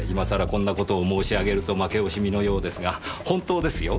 こんなことを申し上げると負け惜しみのようですが本当ですよ。